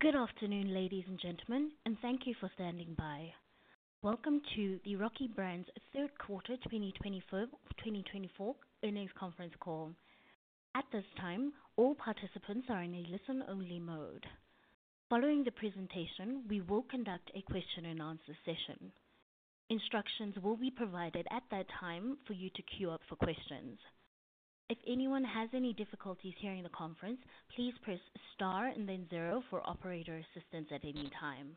Good afternoon, ladies and gentlemen, and thank you for standing by. Welcome to the Rocky Brands Third Quarter 2024 earnings conference call. At this time, all participants are in a listen-only mode. Following the presentation, we will conduct a question-and-answer session. Instructions will be provided at that time for you to queue up for questions. If anyone has any difficulties hearing the conference, please press star and then zero for operator assistance at any time.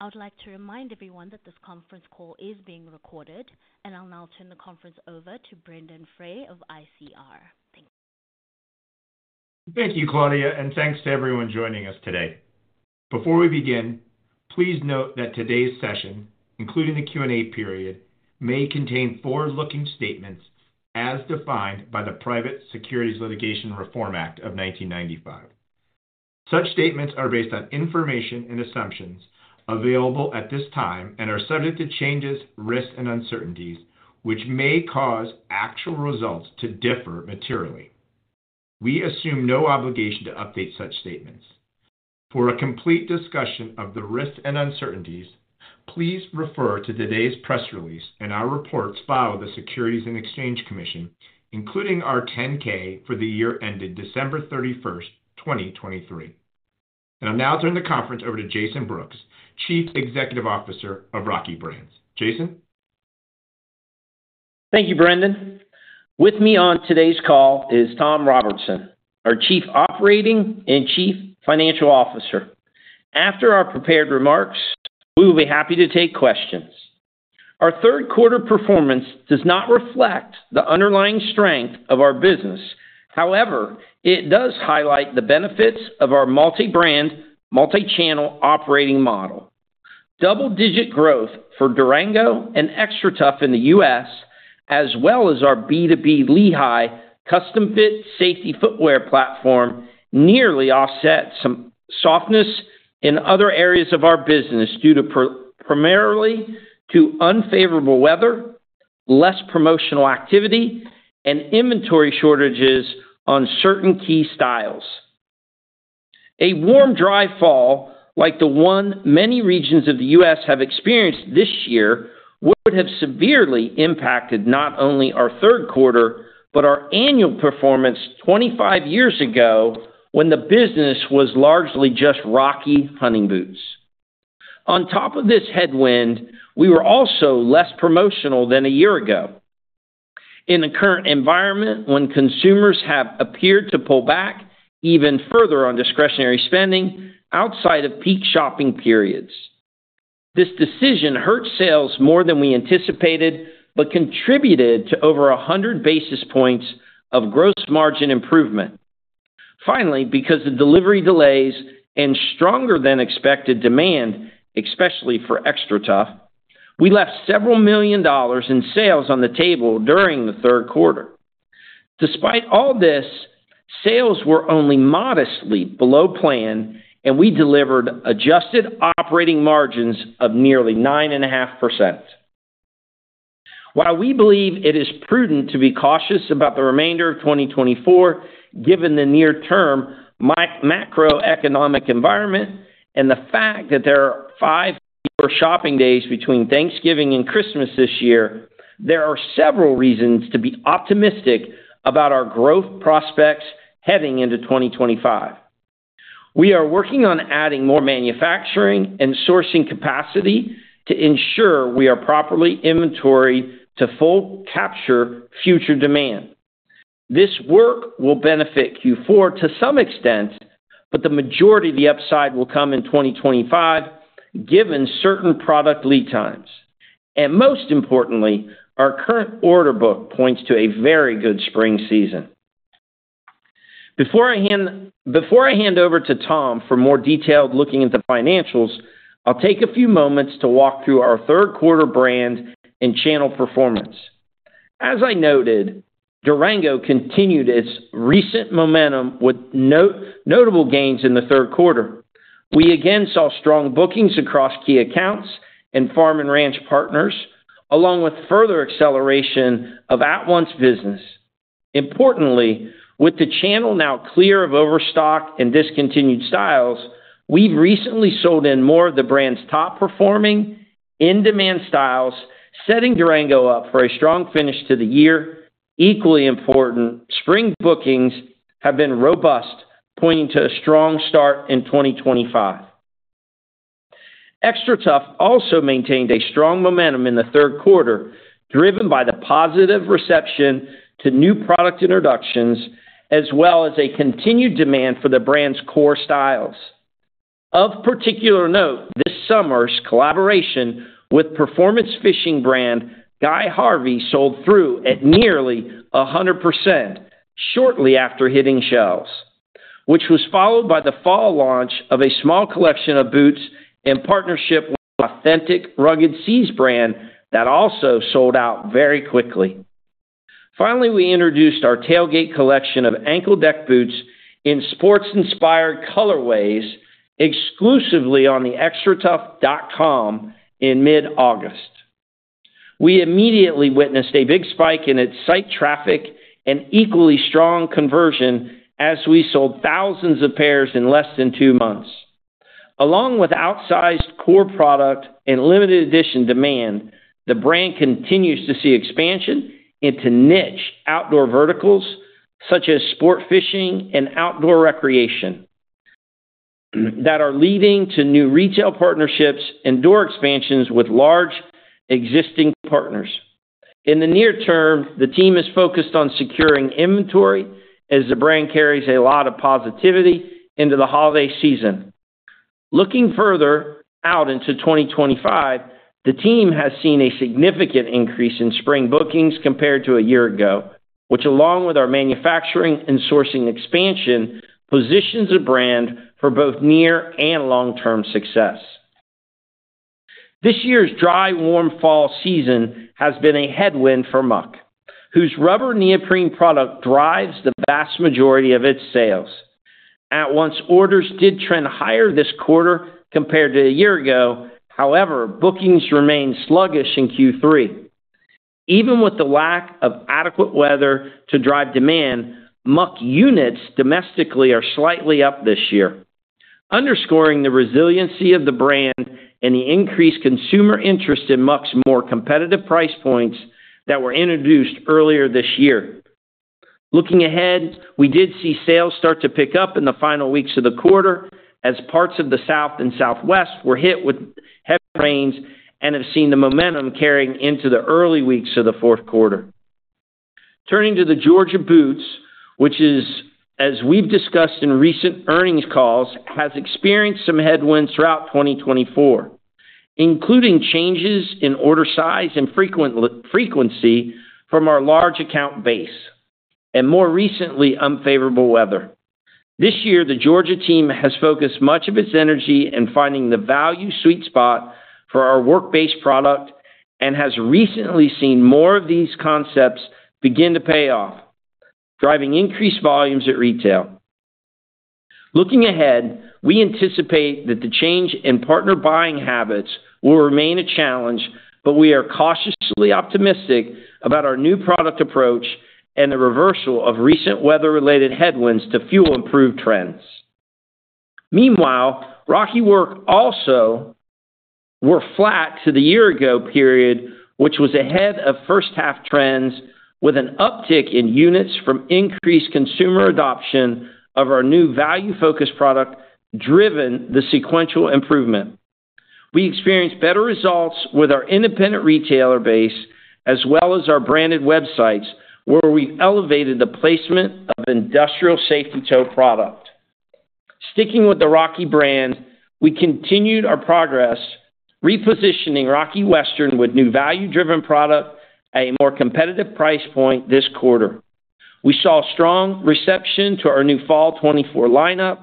I would like to remind everyone that this conference call is being recorded, and I'll now turn the conference over to Brendon Frey of ICR. Thank you. Thank you, Claudia, and thanks to everyone joining us today. Before we begin, please note that today's session, including the Q&A period, may contain forward-looking statements as defined by the Private Securities Litigation Reform Act of 1995. Such statements are based on information and assumptions available at this time and are subject to changes, risks, and uncertainties, which may cause actual results to differ materially. We assume no obligation to update such statements. For a complete discussion of the risks and uncertainties, please refer to today's press release, and our reports filed with the Securities and Exchange Commission, including our 10-K for the year ended December 31st, 2023, and I'll now turn the conference over to Jason Brooks, Chief Executive Officer of Rocky Brands. Jason? Thank you, Brendon. With me on today's call is Tom Robertson, our Chief Operating and Chief Financial Officer. After our prepared remarks, we will be happy to take questions. Our third quarter performance does not reflect the underlying strength of our business. However, it does highlight the benefits of our multi-brand, multi-channel operating model. Double-digit growth for Durango and XTRATUF in the US, as well as our B2B Lehigh CustomFit safety footwear platform, nearly offsets some softness in other areas of our business due to primarily unfavorable weather, less promotional activity, and inventory shortages on certain key styles. A warm, dry fall like the one many regions of the U.S. have experienced this year would have severely impacted not only our third quarter but our annual performance 25 years ago when the business was largely just Rocky hunting boots. On top of this headwind, we were also less promotional than a year ago in the current environment when consumers have appeared to pull back even further on discretionary spending outside of peak shopping periods. This decision hurt sales more than we anticipated but contributed to over 100 basis points of gross margin improvement. Finally, because of delivery delays and stronger-than-expected demand, especially for XTRATUF, we left several million dollars in sales on the table during the third quarter. Despite all this, sales were only modestly below plan, and we delivered adjusted operating margins of nearly 9.5%. While we believe it is prudent to be cautious about the remainder of 2024, given the near-term macroeconomic environment and the fact that there are five shopping days between Thanksgiving and Christmas this year, there are several reasons to be optimistic about our growth prospects heading into 2025. We are working on adding more manufacturing and sourcing capacity to ensure we are properly inventory to full capture future demand. This work will benefit Q4 to some extent, but the majority of the upside will come in 2025 given certain product lead times, and most importantly, our current order book points to a very good spring season. Before I hand over to Tom for more detailed looking at the financials, I'll take a few moments to walk through our third quarter brand and channel performance. As I noted, Durango continued its recent momentum with notable gains in the third quarter. We again saw strong bookings across key accounts and farm and ranch partners, along with further acceleration of at-once business. Importantly, with the channel now clear of overstock and discontinued styles, we've recently sold in more of the brand's top-performing, in-demand styles, setting Durango up for a strong finish to the year. Equally important, spring bookings have been robust, pointing to a strong start in 2025. XTRATUF also maintained a strong momentum in the third quarter, driven by the positive reception to new product introductions, as well as a continued demand for the brand's core styles. Of particular note, this summer's collaboration with performance fishing brand Guy Harvey sold through at nearly 100% shortly after hitting shelves, which was followed by the fall launch of a small collection of boots in partnership with authentic Rugged Seas brand that also sold out very quickly. Finally, we introduced our Tailgate Collection of ankle-deck boots in sports-inspired colorways exclusively on the xtratuf.com in mid-August. We immediately witnessed a big spike in its site traffic and equally strong conversion as we sold thousands of pairs in less than two months. Along with outsized core product and limited-edition demand, the brand continues to see expansion into niche outdoor verticals such as sport fishing and outdoor recreation that are leading to new retail partnerships and door expansions with large existing partners. In the near term, the team is focused on securing inventory as the brand carries a lot of positivity into the holiday season. Looking further out into 2025, the team has seen a significant increase in spring bookings compared to a year ago, which, along with our manufacturing and sourcing expansion, positions the brand for both near and long-term success. This year's dry, warm fall season has been a headwind for Muck, whose rubber neoprene product drives the vast majority of its sales. At-once orders did trend higher this quarter compared to a year ago. However, bookings remained sluggish in Q3. Even with the lack of adequate weather to drive demand, Muck units domestically are slightly up this year, underscoring the resiliency of the brand and the increased consumer interest in Muck's more competitive price points that were introduced earlier this year. Looking ahead, we did see sales start to pick up in the final weeks of the quarter as parts of the South and Southwest were hit with heavy rains and have seen the momentum carrying into the early weeks of the fourth quarter. Turning to the Georgia Boot, which, as we've discussed in recent earnings calls, has experienced some headwinds throughout 2024, including changes in order size and frequency from our large account base and more recently unfavorable weather. This year, the Georgia team has focused much of its energy in finding the value sweet spot for our work-based product and has recently seen more of these concepts begin to pay off, driving increased volumes at retail. Looking ahead, we anticipate that the change in partner buying habits will remain a challenge, but we are cautiously optimistic about our new product approach and the reversal of recent weather-related headwinds to fuel improved trends. Meanwhile, Rocky Work also worked flat to the year-ago period, which was ahead of first-half trends, with an uptick in units from increased consumer adoption of our new value-focused product driven the sequential improvement. We experienced better results with our independent retailer base as well as our branded websites, where we elevated the placement of industrial safety toe product. Sticking with the Rocky brand, we continued our progress, repositioning Rocky Western with new value-driven product at a more competitive price point this quarter. We saw strong reception to our new Fall 2024 lineup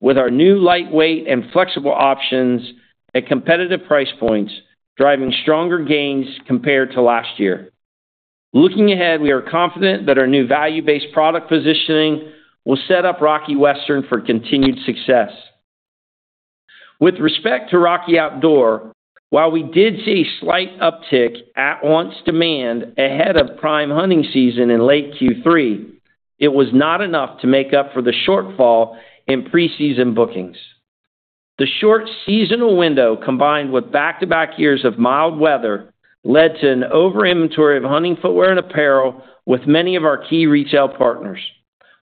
with our new lightweight and flexible options at competitive price points, driving stronger gains compared to last year. Looking ahead, we are confident that our new value-based product positioning will set up Rocky Western for continued success. With respect to Rocky Outdoor, while we did see a slight uptick at-once demand ahead of prime hunting season in late Q3, it was not enough to make up for the shortfall in pre-season bookings. The short seasonal window, combined with back-to-back years of mild weather, led to an over-inventory of hunting footwear and apparel with many of our key retail partners.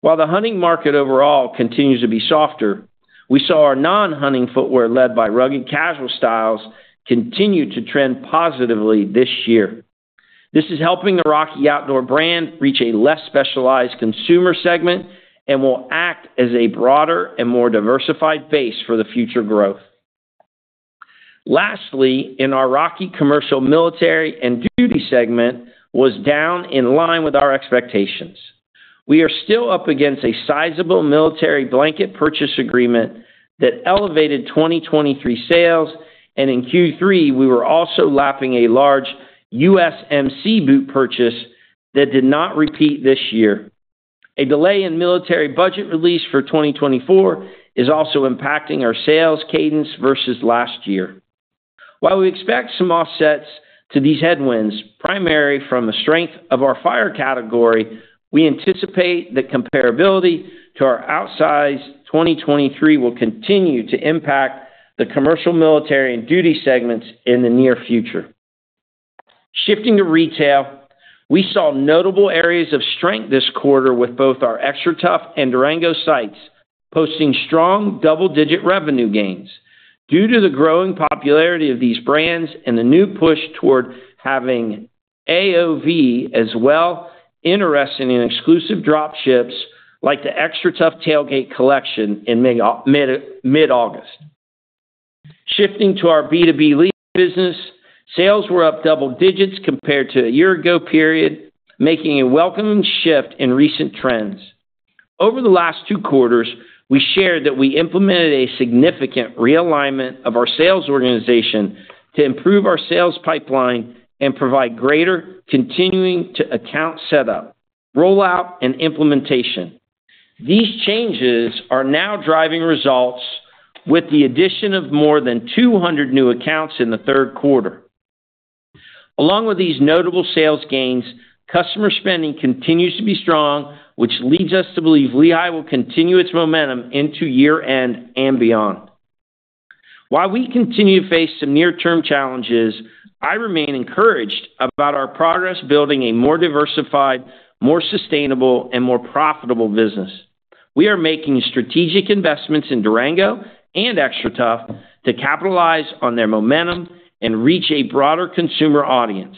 While the hunting market overall continues to be softer, we saw our non-hunting footwear led by rugged casual styles continue to trend positively this year. This is helping the Rocky Outdoor brand reach a less specialized consumer segment and will act as a broader and more diversified base for the future growth. Lastly, in our Rocky Commercial Military and Duty segment was down in line with our expectations. We are still up against a sizable military blanket purchase agreement that elevated 2023 sales, and in Q3, we were also lapping a large USMC boot purchase that did not repeat this year. A delay in military budget release for 2024 is also impacting our sales cadence versus last year. While we expect some offsets to these headwinds, primarily from the strength of our fire category, we anticipate that comparability to our outsized 2023 will continue to impact the commercial military and duty segments in the near future. Shifting to retail, we saw notable areas of strength this quarter with both our XTRATUF and Durango lines posting strong double-digit revenue gains due to the growing popularity of these brands and the new push toward having higher AOVs as well as interest in exclusive dropships like the XTRATUF Tailgate Collection in mid-August. Shifting to our B2B Lehigh business, sales were up double digits compared to a year-ago period, making a welcome shift in recent trends. Over the last two quarters, we shared that we implemented a significant realignment of our sales organization to improve our sales pipeline and provide greater customer account setup, rollout, and implementation. These changes are now driving results with the addition of more than 200 new accounts in the third quarter. Along with these notable sales gains, customer spending continues to be strong, which leads us to believe Lehigh will continue its momentum into year-end and beyond. While we continue to face some near-term challenges, I remain encouraged about our progress building a more diversified, more sustainable, and more profitable business. We are making strategic investments in Durango and XTRATUF to capitalize on their momentum and reach a broader consumer audience.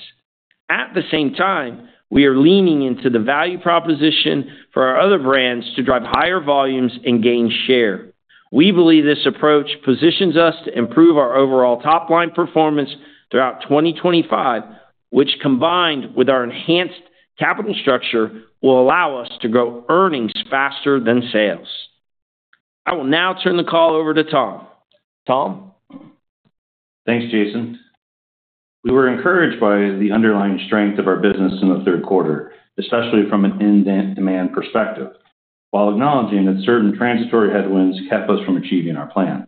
At the same time, we are leaning into the value proposition for our other brands to drive higher volumes and gain share. We believe this approach positions us to improve our overall top-line performance throughout 2025, which, combined with our enhanced capital structure, will allow us to grow earnings faster than sales. I will now turn the call over to Tom. Tom? Thanks, Jason. We were encouraged by the underlying strength of our business in the third quarter, especially from an in-demand perspective, while acknowledging that certain transitory headwinds kept us from achieving our plan.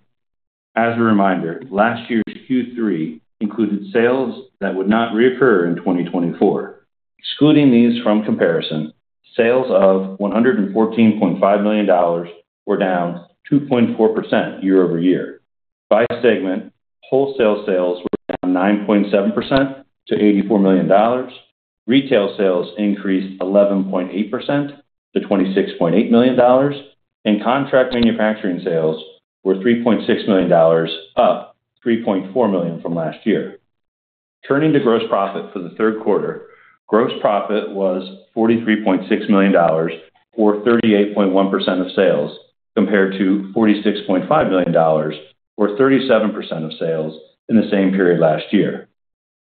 As a reminder, last year's Q3 included sales that would not reoccur in 2024. Excluding these from comparison, sales of $114.5 million were down 2.4% year-over-year. By segment, wholesale sales were down 9.7% to $84 million. Retail sales increased 11.8% to $26.8 million, and contract manufacturing sales were $3.6 million, up $3.4 million from last year. Turning to gross profit for the third quarter, gross profit was $43.6 million, or 38.1% of sales, compared to $46.5 million, or 37% of sales, in the same period last year.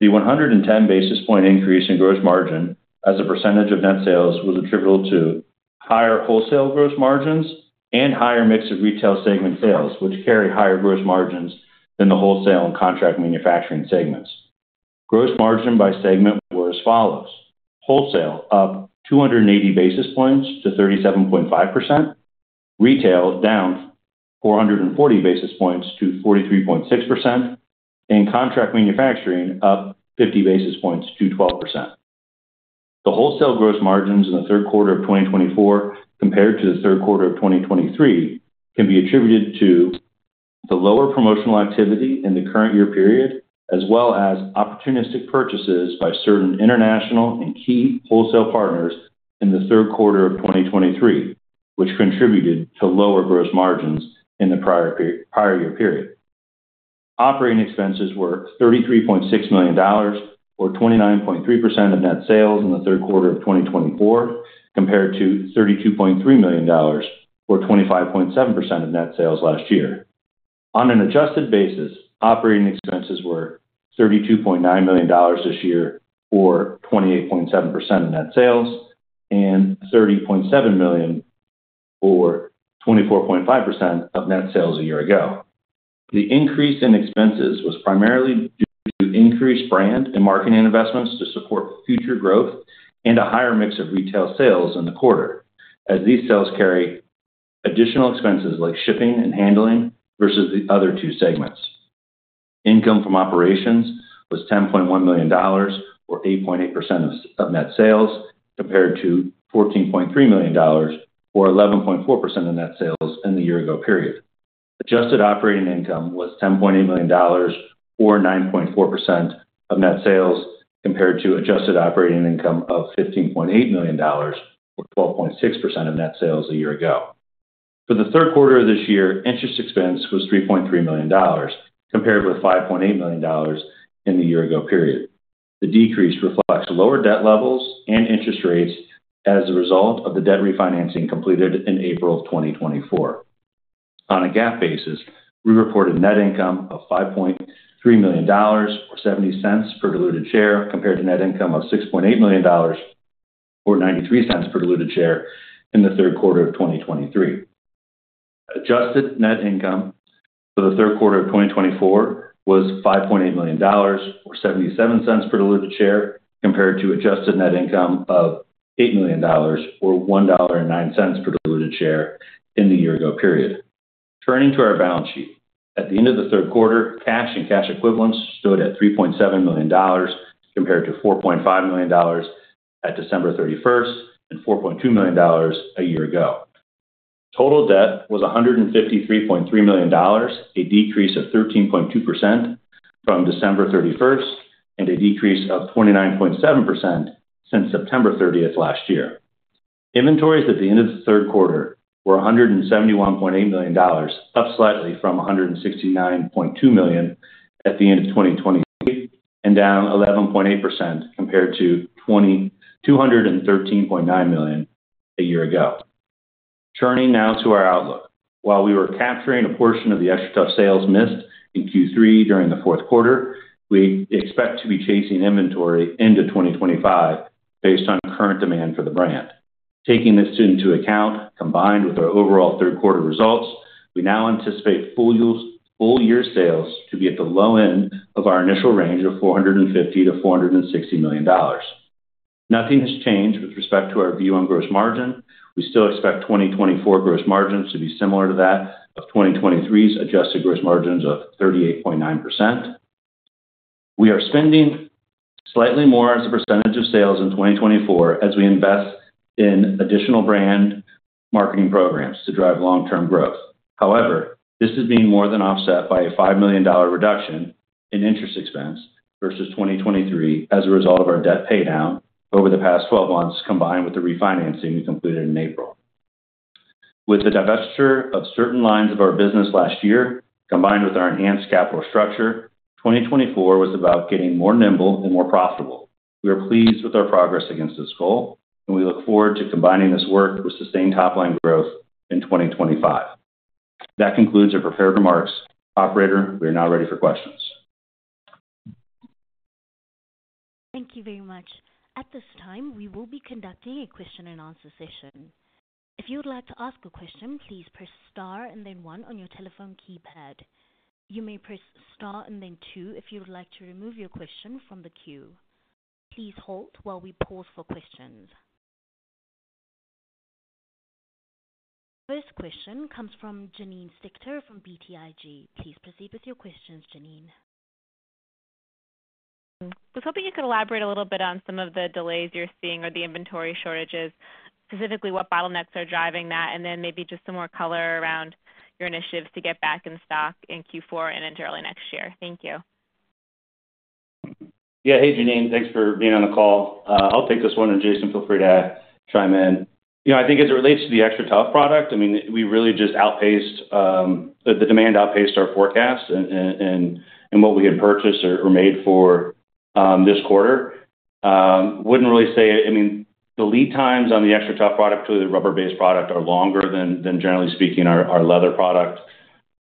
The 110 basis points increase in gross margin as a percentage of net sales was attributable to higher wholesale gross margins and higher mix of retail segment sales, which carry higher gross margins than the wholesale and contract manufacturing segments. Gross margin by segment was as follows: wholesale up 280 basis points to 37.5%, retail down 440 basis points to 43.6%, and contract manufacturing up 50 basis points to 12%. The wholesale gross margins in the third quarter of 2024 compared to the third quarter of 2023 can be attributed to the lower promotional activity in the current year period, as well as opportunistic purchases by certain international and key wholesale partners in the third quarter of 2023, which contributed to lower gross margins in the prior year period. Operating expenses were $33.6 million, or 29.3% of net sales in the third quarter of 2024, compared to $32.3 million, or 25.7% of net sales last year. On an adjusted basis, operating expenses were $32.9 million this year, or 28.7% of net sales, and $30.7 million, or 24.5% of net sales a year ago. The increase in expenses was primarily due to increased brand and marketing investments to support future growth and a higher mix of retail sales in the quarter, as these sales carry additional expenses like shipping and handling versus the other two segments. Income from operations was $10.1 million, or 8.8% of net sales, compared to $14.3 million, or 11.4% of net sales in the year-ago period. Adjusted operating income was $10.8 million, or 9.4% of net sales, compared to adjusted operating income of $15.8 million, or 12.6% of net sales a year ago. For the third quarter of this year, interest expense was $3.3 million, compared with $5.8 million in the year-ago period. The decrease reflects lower debt levels and interest rates as a result of the debt refinancing completed in April of 2024. On a GAAP basis, we reported net income of $5.3 million, or $0.70 per diluted share, compared to net income of $6.8 million, or $0.93 per diluted share in the third quarter of 2023. Adjusted net income for the third quarter of 2024 was $5.8 million, or $0.77 per diluted share, compared to adjusted net income of $8 million, or $1.09 per diluted share in the year-ago period. Turning to our balance sheet, at the end of the third quarter, cash and cash equivalents stood at $3.7 million, compared to $4.5 million at December 31st and $4.2 million a year ago. Total debt was $153.3 million, a decrease of 13.2% from December 31st, and a decrease of 29.7% since September 30th last year. Inventories at the end of the third quarter were $171.8 million, up slightly from $169.2 million at the end of 2023 and down 11.8% compared to $213.9 million a year ago. Turning now to our outlook, while we were capturing a portion of the XTRATUF sales missed in Q3 during the fourth quarter, we expect to be chasing inventory into 2025 based on current demand for the brand. Taking this into account, combined with our overall third-quarter results, we now anticipate full-year sales to be at the low end of our initial range of $450-$460 million. Nothing has changed with respect to our view on gross margin. We still expect 2024 gross margins to be similar to that of 2023's adjusted gross margins of 38.9%. We are spending slightly more as a percentage of sales in 2024 as we invest in additional brand marketing programs to drive long-term growth. However, this is being more than offset by a $5 million reduction in interest expense versus 2023 as a result of our debt paydown over the past 12 months, combined with the refinancing we completed in April. With the divestiture of certain lines of our business last year, combined with our enhanced capital structure, 2024 was about getting more nimble and more profitable. We are pleased with our progress against this goal, and we look forward to combining this work with sustained top-line growth in 2025. That concludes our prepared remarks. Operator, we are now ready for questions. Thank you very much. At this time, we will be conducting a question-and-answer session. If you would like to ask a question, please press Star and then one on your telephone keypad. You may press Star and then two if you would like to remove your question from the queue. Please hold while we pause for questions. The first question comes from Janine Stichter from BTIG. Please proceed with your questions, Janine. I was hoping you could elaborate a little bit on some of the delays you're seeing or the inventory shortages, specifically what bottlenecks are driving that, and then maybe just some more color around your initiatives to get back in stock in Q4 and into early next year. Thank you. Yeah. Hey, Janine. Thanks for being on the call. I'll take this one, and Jason, feel free to chime in. I think as it relates to the XTRATUF product, I mean, we really just, the demand outpaced our forecast and what we had purchased or made for this quarter. Wouldn't really say, I mean, the lead times on the XTRATUF product, the rubber-based product, are longer than, generally speaking, our leather product.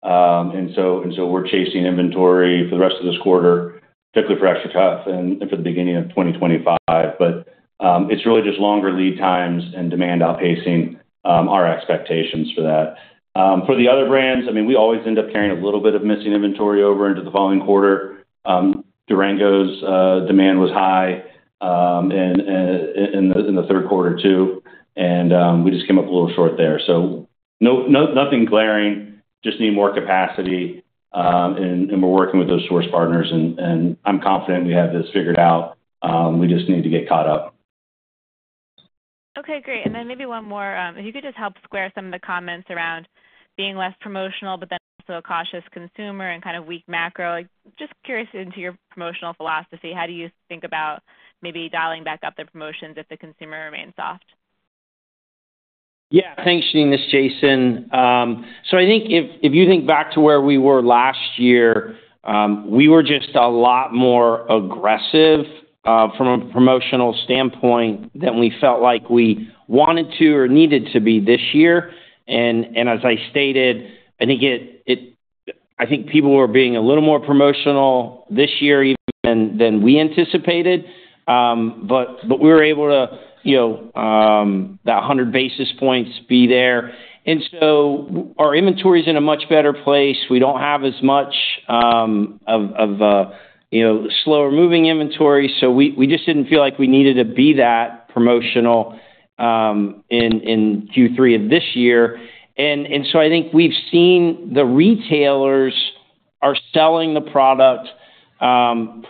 And so we're chasing inventory for the rest of this quarter, particularly for XTRATUF and for the beginning of 2025. But it's really just longer lead times and demand outpacing our expectations for that. For the other brands, I mean, we always end up carrying a little bit of missing inventory over into the following quarter. Durango's demand was high in the third quarter too, and we just came up a little short there. So nothing glaring, just need more capacity, and we're working with those source partners, and I'm confident we have this figured out. We just need to get caught up. Okay. Great. And then maybe one more. If you could just help square some of the comments around being less promotional but then also a cautious consumer and kind of weak macro, just curious into your promotional philosophy. How do you think about maybe dialing back up the promotions if the consumer remains soft? Yeah. Thanks, Janine. This is Jason. So I think if you think back to where we were last year, we were just a lot more aggressive from a promotional standpoint than we felt like we wanted to or needed to be this year. And as I stated, I think people were being a little more promotional this year even than we anticipated. But we were able to, that 100 basis points be there. And so our inventory is in a much better place. We don't have as much of slower-moving inventory, so we just didn't feel like we needed to be that promotional in Q3 of this year. And so I think we've seen the retailers are selling the product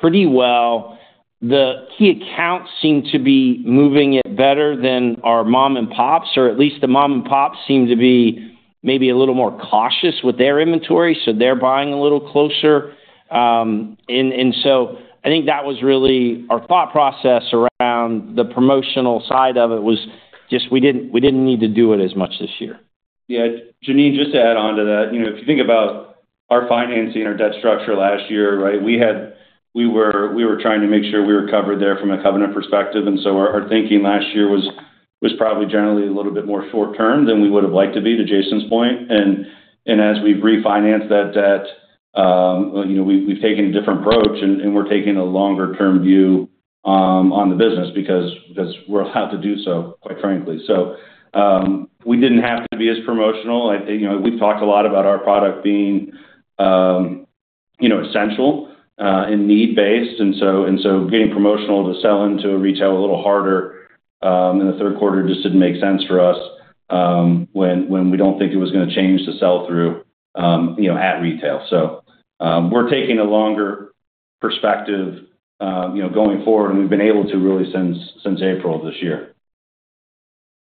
pretty well. The key accounts seem to be moving it better than our mom-and-pops, or at least the mom-and-pops seem to be maybe a little more cautious with their inventory, so they're buying a little closer. And so I think that was really our thought process around the promotional side of it was just we didn't need to do it as much this year. Yeah. Janine, just to add on to that, if you think about our financing or debt structure last year, right, we were trying to make sure we were covered there from a covenant perspective. And so our thinking last year was probably generally a little bit more short-term than we would have liked to be, to Jason's point. And as we've refinanced that debt, we've taken a different approach, and we're taking a longer-term view on the business because we're allowed to do so, quite frankly. So we didn't have to be as promotional. We've talked a lot about our product being essential and need-based. And so getting promotional to sell into a retail a little harder in the third quarter just didn't make sense for us when we don't think it was going to change the sell-through at retail. So we're taking a longer perspective going forward, and we've been able to really since April of this year.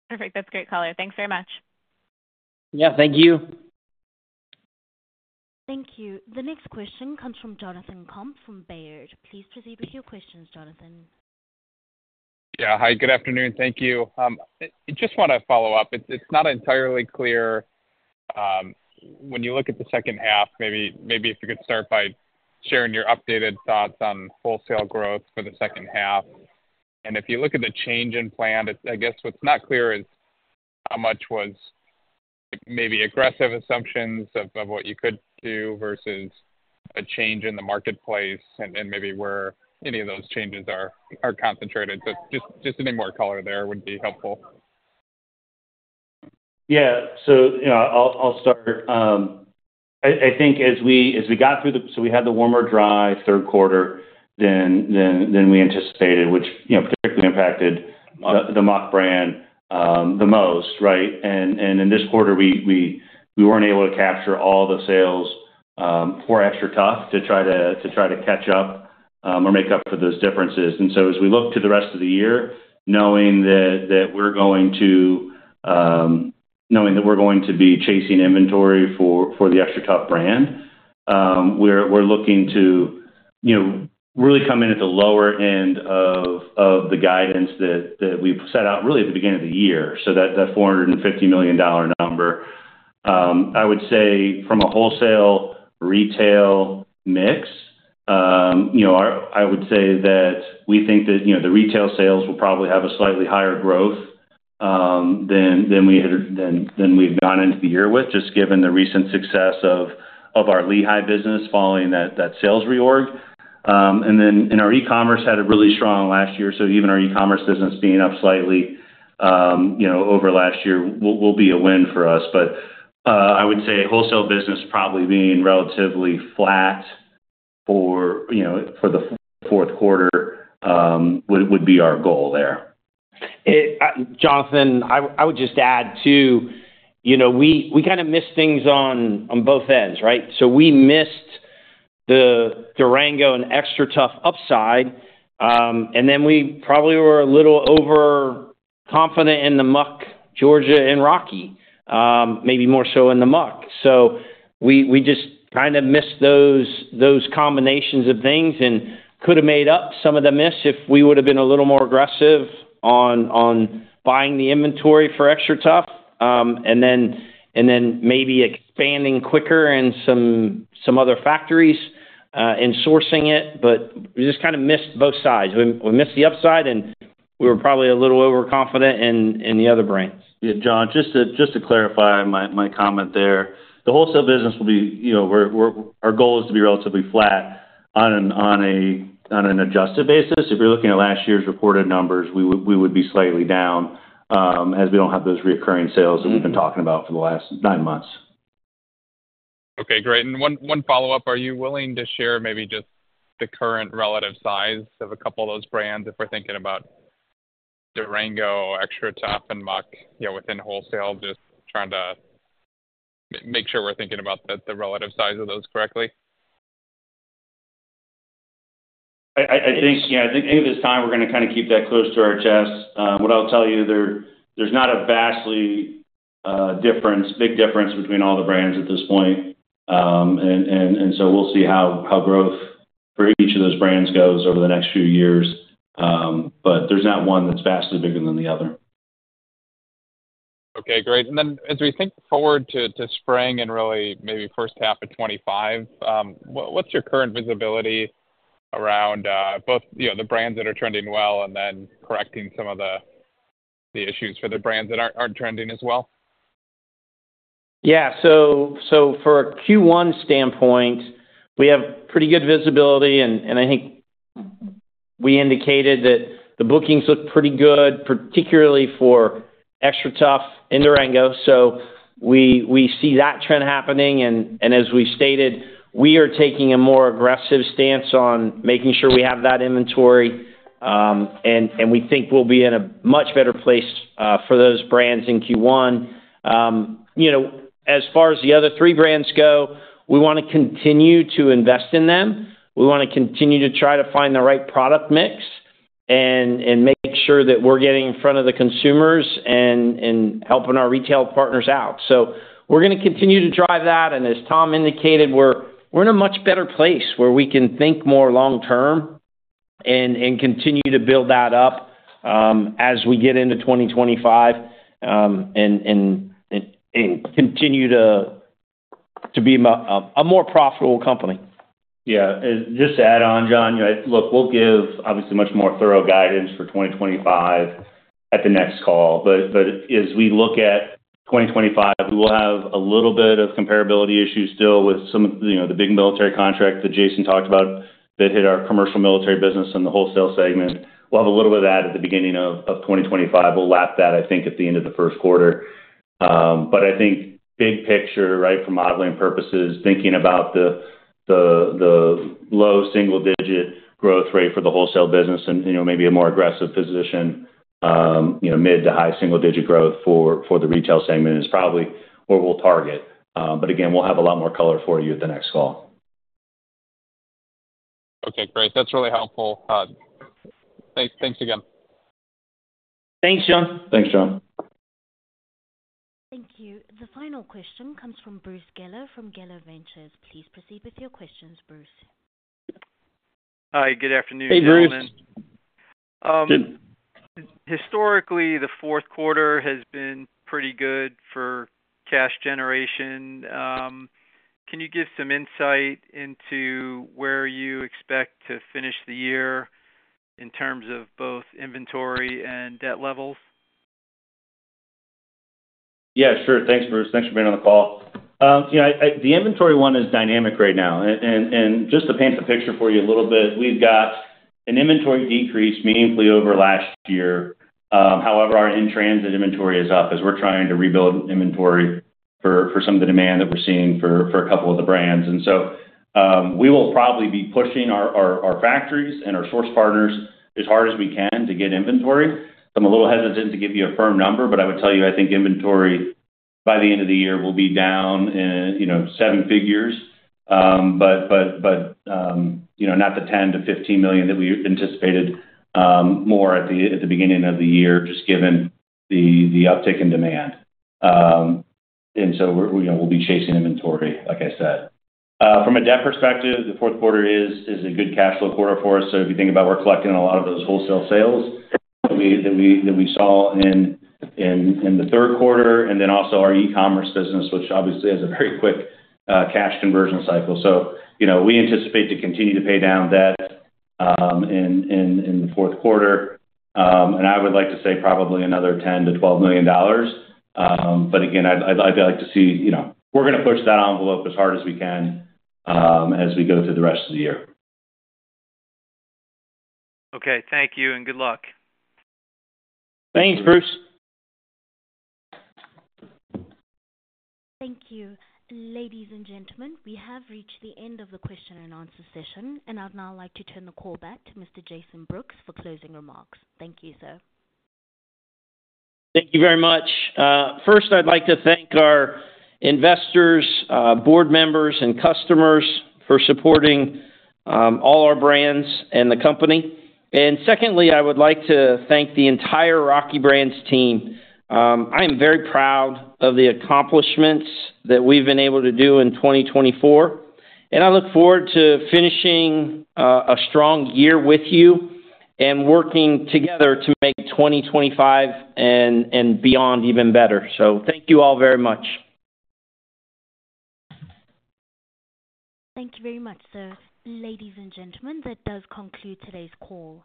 Perfect. That's great color. Thanks very much. Yeah. Thank you. Thank you. The next question comes from Jonathan Komp from Baird. Please proceed with your questions, Jonathan. Yeah. Hi. Good afternoon. Thank you. I just want to follow up. It's not entirely clear. When you look at the second half, maybe if you could start by sharing your updated thoughts on wholesale growth for the second half. And if you look at the change in plan, I guess what's not clear is how much was maybe aggressive assumptions of what you could do versus a change in the marketplace and maybe where any of those changes are concentrated. So just any more color there would be helpful. Yeah. So I'll start. I think as we got through, so we had the warmer, dry third quarter than we anticipated, which particularly impacted the Muck brand the most, right? And in this quarter, we weren't able to capture all the sales for XTRATUF to try to catch up or make up for those differences. And so as we look to the rest of the year, knowing that we're going to be chasing inventory for the XTRATUF brand, we're looking to really come in at the lower end of the guidance that we've set out really at the beginning of the year. That $450 million number, I would say from a wholesale retail mix, I would say that we think that the retail sales will probably have a slightly higher growth than we've gone into the year with, just given the recent success of our Lehigh business following that sales reorg. Our e-commerce had a really strong last year. Even our e-commerce business being up slightly over last year will be a win for us. Our wholesale business probably being relatively flat for the fourth quarter would be our goal there. Jonathan, I would just add too, we kind of missed things on both ends, right? We missed the Durango and XTRATUF upside, and then we probably were a little overconfident in the Muck Georgia and Rocky, maybe more so in the Muck. So we just kind of missed those combinations of things and could have made up some of the miss if we would have been a little more aggressive on buying the inventory for XTRATUF and then maybe expanding quicker in some other factories and sourcing it. But we just kind of missed both sides. We missed the upside, and we were probably a little overconfident in the other brands. Yeah. John, just to clarify my comment there, the wholesale business will be our goal is to be relatively flat on an adjusted basis. If you're looking at last year's reported numbers, we would be slightly down as we don't have those recurring sales that we've been talking about for the last nine months. Okay. Great. And one follow-up. Are you willing to share maybe just the current relative size of a couple of those brands if we're thinking about Durango, XTRATUF, and Muck within wholesale, just trying to make sure we're thinking about the relative size of those correctly? Yeah. I think at this time, we're going to kind of keep that close to our chest. What I'll tell you, there's not a vastly difference, big difference between all the brands at this point. And so we'll see how growth for each of those brands goes over the next few years. But there's not one that's vastly bigger than the other. Okay. Great. And then as we think forward to spring and really maybe first half of 2025, what's your current visibility around both the brands that are trending well and then correcting some of the issues for the brands that aren't trending as well? Yeah. So for a Q1 standpoint, we have pretty good visibility. And I think we indicated that the bookings look pretty good, particularly for XTRATUF and Durango. So we see that trend happening. And as we stated, we are taking a more aggressive stance on making sure we have that inventory. And we think we'll be in a much better place for those brands in Q1. As far as the other three brands go, we want to continue to invest in them. We want to continue to try to find the right product mix and make sure that we're getting in front of the consumers and helping our retail partners out. So we're going to continue to drive that. As Tom indicated, we're in a much better place where we can think more long-term and continue to build that up as we get into 2025 and continue to be a more profitable company. Yeah. Just to add on, John, look. We'll give obviously much more thorough guidance for 2025 at the next call. But as we look at 2025, we will have a little bit of comparability issues still with some of the big military contracts that Jason talked about that hit our commercial military business and the wholesale segment. We'll have a little bit of that at the beginning of 2025. We'll wrap that, I think, at the end of the first quarter. But I think big picture, right, for modeling purposes, thinking about the low single-digit growth rate for the wholesale business and maybe a more aggressive position, mid to high single-digit growth for the retail segment is probably where we'll target. But again, we'll have a lot more color for you at the next call. Okay. Great. That's really helpful. Thanks again. Thanks, John. Thanks, John. Thank you. The final question comes from Bruce Geller from Geller Ventures. Please proceed with your questions, Bruce. Hi. Good afternoon, gentlemen. Hey, Bruce. Historically, the fourth quarter has been pretty good for cash generation. Can you give some insight into where you expect to finish the year in terms of both inventory and debt levels? Yeah. Sure. Thanks, Bruce. Thanks for being on the call. The inventory one is dynamic right now. Just to paint the picture for you a little bit, we've got an inventory decrease meaningfully over last year. However, our in-transit inventory is up as we're trying to rebuild inventory for some of the demand that we're seeing for a couple of the brands. And so we will probably be pushing our factories and our source partners as hard as we can to get inventory. I'm a little hesitant to give you a firm number, but I would tell you I think inventory by the end of the year will be down seven figures, but not the $10-$15 million that we anticipated more at the beginning of the year just given the uptick in demand. And so we'll be chasing inventory, like I said. From a debt perspective, the fourth quarter is a good cash flow quarter for us. So, if you think about we're collecting a lot of those wholesale sales that we saw in the third quarter and then also our e-commerce business, which obviously has a very quick cash conversion cycle. So we anticipate to continue to pay down debt in the fourth quarter. And I would like to say probably another $10-$12 million. But again, I'd like to see we're going to push that envelope as hard as we can as we go through the rest of the year. Okay. Thank you. And good luck. Thanks, Bruce. Thank you. Ladies and gentlemen, we have reached the end of the question and answer session. And I'd now like to turn the call back to Mr. Jason Brooks for closing remarks. Thank you, sir. Thank you very much. First, I'd like to thank our investors, board members, and customers for supporting all our brands and the company. And secondly, I would like to thank the entire Rocky Brands team. I am very proud of the accomplishments that we've been able to do in 2024. And I look forward to finishing a strong year with you and working together to make 2025 and beyond even better. So thank you all very much. Thank you very much, sir. Ladies and gentlemen, that does conclude today's call.